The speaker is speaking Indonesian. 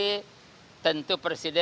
tentu presiden bicara dengan pak presiden